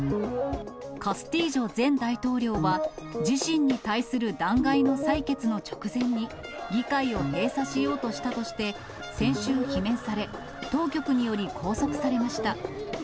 カスティージョ前大統領は、自身に対する弾劾の裁決の直前に、議会を閉鎖しようとしたとして、先週罷免され、当局により拘束されました。